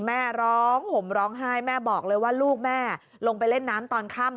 แม่ร้องห่มร้องไห้แม่บอกเลยว่าลูกแม่ลงไปเล่นน้ำตอนค่ำ